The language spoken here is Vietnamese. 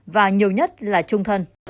và nhiều nhất là chung thân